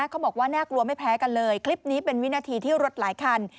เขาบอกว่าน่ากลัวไม่แพ้กันเลยคลิปนี้เป็นวินาทีที่รถหลายคัน